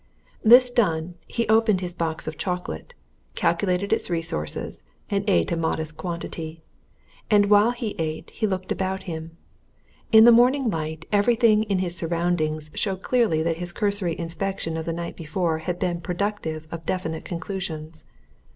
This done, he opened his box of chocolate, calculated its resources, and ate a modest quantity. And while he ate, he looked about him. In the morning light everything in his surroundings showed clearly that his cursory inspection of the night before had been productive of definite conclusions.